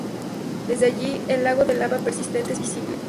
Desde allí el lago de lava persistente es visible.